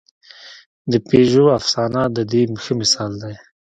د پېژو افسانه د دې ښه مثال دی.